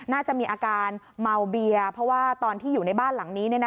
น่าจะมีอาการเมาเบียเพราะว่าตอนที่อยู่ในบ้านหลังนี้